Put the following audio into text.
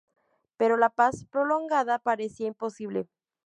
Pero la paz prolongada parecía imposible.